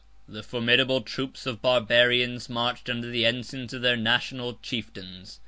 The formidable troops of Barbarians marched under the ensigns of their national chieftains.